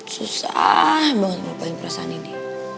susah banget ngapain perasaan ini